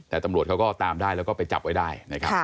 แต่ตำรวจเขาก็ตามได้แล้วก็ไปจับไว้ได้นะครับ